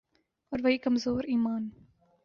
اور وہی کمزور ایمان۔